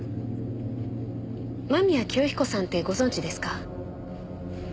間宮清彦さんってご存じですか？